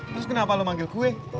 terus kenapa lo manggil kue